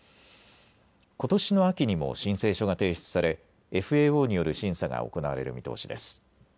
ことしの秋にも申請書が提出されＦＡＯによる審査が行われる見通しです。